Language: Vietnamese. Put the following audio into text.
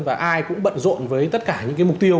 và ai cũng bận rộn với tất cả những cái mục tiêu